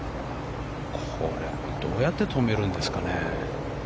これ、どうやって止めるんですかね。